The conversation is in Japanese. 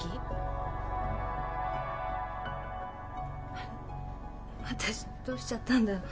あわたしどうしちゃったんだろう。